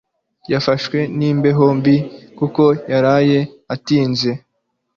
Yafashwe n'imbeho mbi kuko yaraye atinze